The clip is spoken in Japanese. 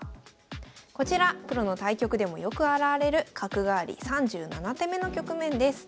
こちらプロの対局でもよく現れる角換わり３７手目の局面です。